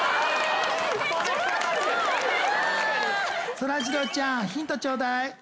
そらジローちゃんヒントちょうだい。